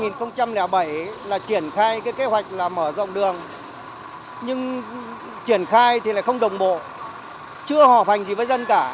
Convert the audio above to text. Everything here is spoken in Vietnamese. năm hai nghìn bảy là triển khai cái kế hoạch là mở rộng đường nhưng triển khai thì lại không đồng bộ chưa hòa hành gì với dân cả